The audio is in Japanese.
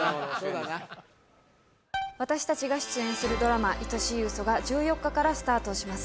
私たちが出演するドラマ愛しい嘘が１４日からスタートします